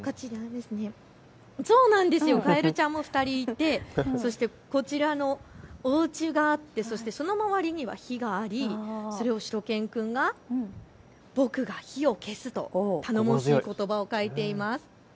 カエルちゃんも２人いてこちらのおうちがあってその周りには火がありそれをしゅと犬くんが僕が火を消すと、頼もしいことばを書いています。